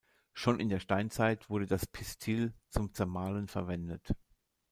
Schon in der Steinzeit wurde das Pistill zum Zermahlen verwendet.